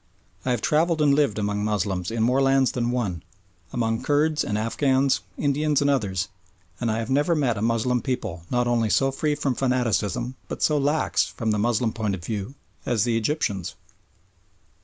I have travelled and lived among Moslems in more lands than one, among Kurds and Afghans, Indians and others, and I have never met a Moslem people not only so free from fanaticism but so lax, from the Moslem point of view, as the Egyptians.